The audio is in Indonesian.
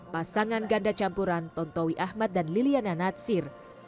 pasangan ganda campuran tontowi ahmad dan liliana natsir